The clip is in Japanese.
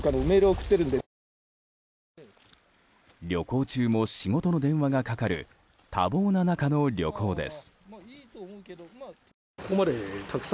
旅行中も仕事の電話がかかる多忙な中の旅行です。